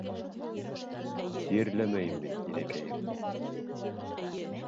Сирләмәйем мин, инәкәйем!